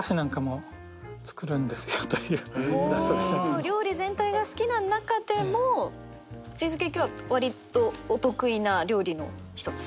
お料理全体が好きな中でもチーズケーキはわりとお得意な料理の一つ？